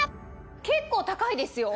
結構高いですよ。